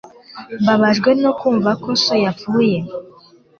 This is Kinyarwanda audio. Mbabajwe no kumva ko so yapfuye